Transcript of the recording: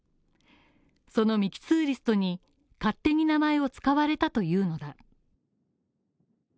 そのミキ・ツーリストに勝手に名前を使われたというのだ。